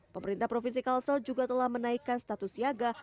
pemerintah provinsi kalsel juga telah menaikkan status siaga